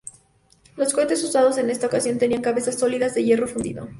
Los cohetes usados en esta ocasión tenían cabezas sólidas, de hierro fundido.